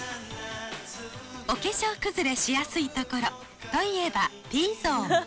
お化粧崩れしやすい所といえばＴゾーン。